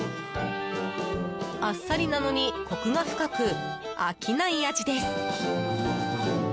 あっさりなのにコクが深く飽きない味です。